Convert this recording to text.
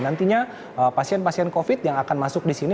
nantinya pasien pasien covid yang akan masuk di sini